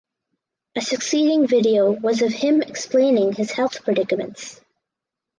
A succeeding video was of him explaining his health predicaments.